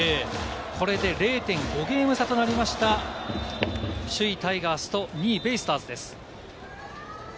これで０．５ゲーム差となりました、首位・タイガースと、２位・ベイスターズです。